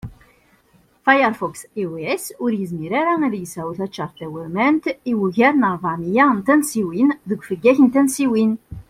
Firefox iOS ur yizmir ara ad yesεu taččart tawurmant i ugar n rbeɛ miyya n tansiwin deg ufeggag n tansiwin